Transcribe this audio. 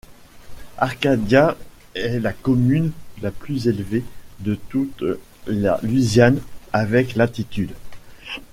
Arcadia est la commune la plus élevée de toute la Louisiane avec d'altitude.